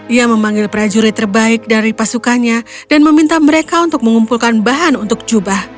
ia memanggil prajurit terbaik dari pasukannya dan meminta mereka untuk mengumpulkan baju